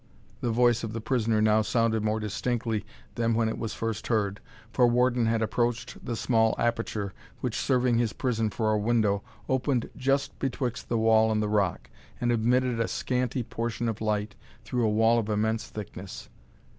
The voice of the prisoner now sounded more distinctly than when it was first heard, for Warden had approached the small aperture, which, serving his prison for a window, opened just betwixt the wall and the rock, and admitted a scanty portion of light through a wall of immense thickness.